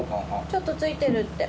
ちょっとついてるって。